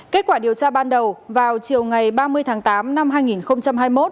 kết quả điều tra ban đầu vào chiều ngày ba mươi tháng tám năm hai nghìn hai mươi một